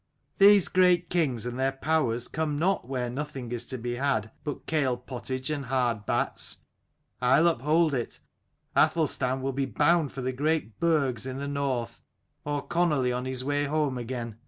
These great kings and their powers come not where nothing is to be had but kale pottage and hard bats. I'll uphold it, Athelstan will be bound for the great burgs in the north, or connily on his way home again.